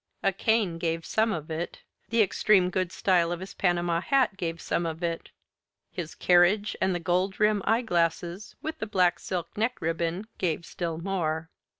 A cane gave some of it. The extreme good style of his Panama hat gave some of it. His carriage and the gold rimmed eyeglasses with the black silk neck ribbon gave still more.